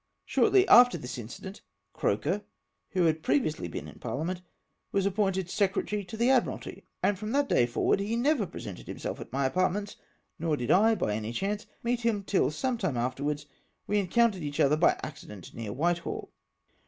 Shortly after this mcident, Croker, who had pre viously been m parhament, was appointed secretary to the Admiralty, and from that day forward he never presented himself at my apartments ; nor did I, by any chance, meet him till some time afterAvards, we en countered each other, by accident, near Whitehall.